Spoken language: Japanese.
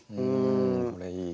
これいい。